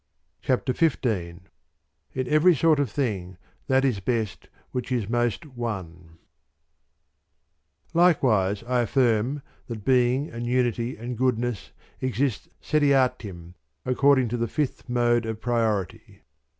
CHAPTER XV In tvery tart af thing that u best which is most ant, I. Likewise I affirm that being and unityand goodness exist seriatim according to the fifth mode of priority.'